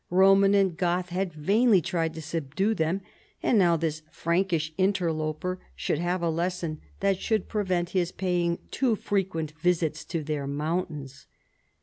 Roman and Goth had vainly tried to subdue them, and now this Frankish inter loper should have a lesson that should prevent his paying too frequent visits to their mountains.